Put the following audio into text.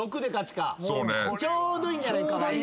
ちょうどいいんじゃない？